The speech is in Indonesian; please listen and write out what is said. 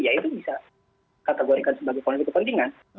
ya itu bisa kategorikan sebagai konflik kepentingan